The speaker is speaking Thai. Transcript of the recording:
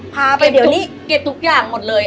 พาไปเดี๋ยวนี้เก็บทุกอย่างหมดเลย